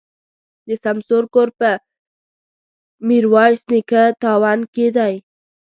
د سمسور کور په ميروایس نیکه تاون کي دی.